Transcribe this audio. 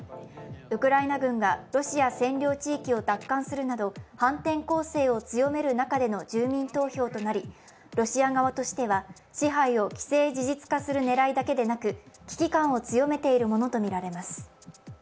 ウクライナ軍がロシア占領地域を奪還するなど反転攻勢を強める中での住民投票となりロシア側としては、支配を既成事実化する狙いだけでなく危機感を強めているものとみられます。